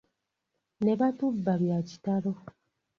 Ne batubba bya kitalo.